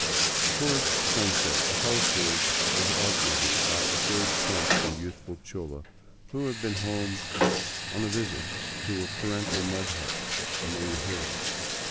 Toward sunset the household was augmented by a third plump and youthful chola who had been home on a visit to her parental mud hut among the hills.